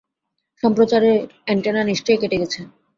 সম্প্রচারের antenna নিশ্চয়ই কেটে গেছে।